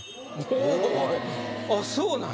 あっそうなんや。